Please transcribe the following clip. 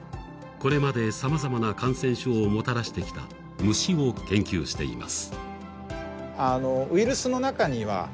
これまでさまざまな感染症をもたらしてきた虫を研究しています。